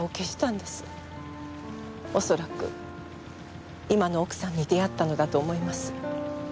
恐らく今の奥さんに出会ったのだと思います。